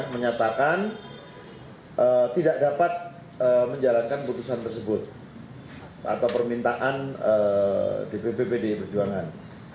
menyatakan tidak dapat menjalankan putusan tersebut atau permintaan dpp pdi perjuangan